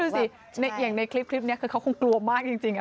แล้วนี่ดูสิอย่างในคลิปนี้คือเขาคงกลัวมากจริง